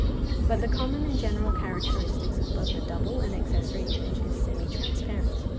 But the common and general characteristic both of the double and accessory image is semi transparence.